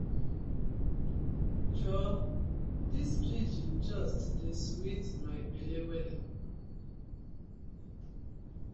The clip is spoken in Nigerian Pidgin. Joor dis pidgin just dey sweet my belle wella.